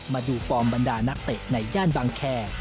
มาดูฟอร์มบรรดานักเตะในย่านบางแคร์